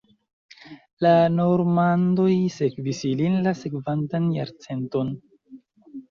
La normandoj sekvis ilin la sekvantan jarcenton.